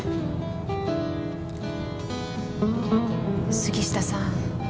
杉下さん